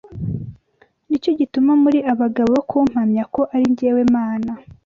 Ni cyo gituma muri abagabo bo kumpamya, ko ari jyewe Mana